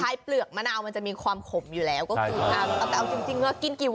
ใช้เปลือกมะนาวมันจะมีความขมอยู่แล้ว